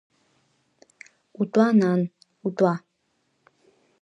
Утәа, нан, утәа!